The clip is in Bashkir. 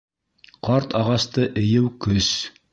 Ҡарт ағасты эйеү көс.